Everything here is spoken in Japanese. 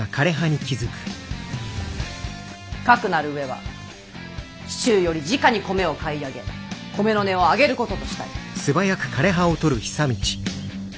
かくなる上は市中よりじかに米を買い上げ米の値を上げることとしたい！